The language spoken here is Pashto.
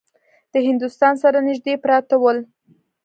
د هندوستان سره نیژدې پراته ول.